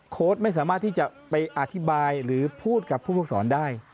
ไม่สามารถที่จะไปอธิบายหรือพูดกับผู้ฝึกสอนได้